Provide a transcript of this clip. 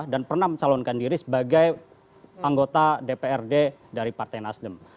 dan pernah mencalonkan diri sebagai anggota dprd dari partai nasdem